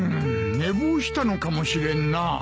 寝坊したのかもしれんな。